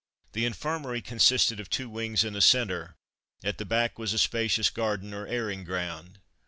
The Infirmary consisted of two wings and a centre; at the back was a spacious garden or airing ground.